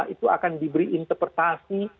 itu akan diberi interpretasi